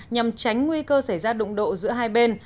nhằm tránh nguy cơ xảy ra đụng độ giữa hai bên